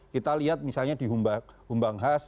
kita lihat misalnya di humbang khas